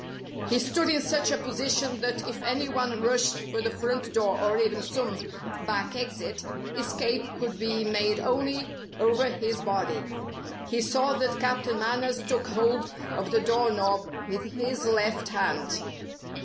He stood in such a position that if any one rushed for the front door or even some back exit, escape could be made only over his body. He saw that Captain Manners took hold of the doorknob with his left hand.